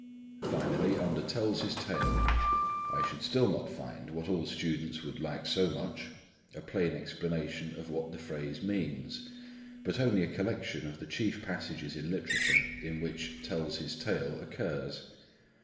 Finally, under "tells his tale" I should still not find, what all students would like so much, a plain explanation of what the phrase means, but only a collection of the chief passages in literature in which "tells his tale" occurs.